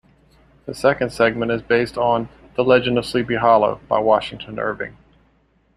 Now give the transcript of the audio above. The second segment is based on "The Legend of Sleepy Hollow" by Washington Irving.